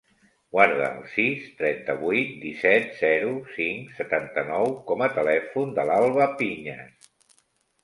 Guarda el sis, trenta-vuit, disset, zero, cinc, setanta-nou com a telèfon de l'Alba Piñas.